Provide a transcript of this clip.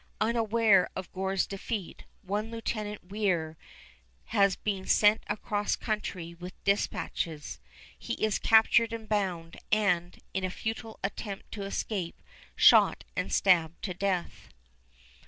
Unaware of Gore's defeat, one Lieutenant Weir has been sent across country with dispatches. He is captured and bound, and, in a futile attempt to escape, shot and stabbed to death.